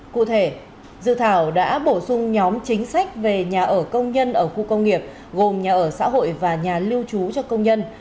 cụ thể dự thảo đã bổ sung nhóm chính sách về nhà ở công nhân ở khu công nghiệp gồm nhà ở xã hội và nhà lưu trú cho công nhân